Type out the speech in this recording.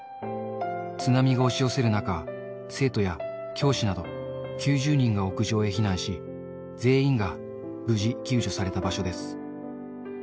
津波が押し寄せる中、生徒や教師など９０人が屋上へ避難し、全員が無事救助された場所です。